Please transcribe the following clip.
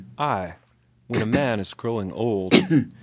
Ay, when a man is growing old.